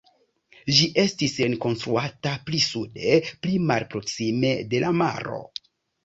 Ĝi estis rekonstruata pli sude, pli malproksime de la maro.